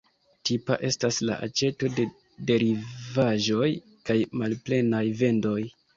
Tipa estas la aĉeto de derivaĵoj kaj malplenaj vendoj.